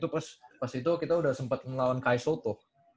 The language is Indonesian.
dan itu pas itu kita udah sempet ngelawan kai soto